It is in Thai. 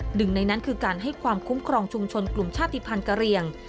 หนึ่งในนั้นคือการให้ความคุ้มครองชุมชนกลุ่มชาติภัณฑ์กะเรียง